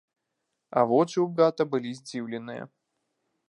А вочы ў брата былі здзіўленыя.